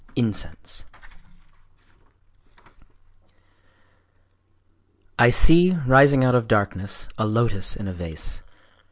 Incense I I see, rising out of darkness, a lotos in a vase.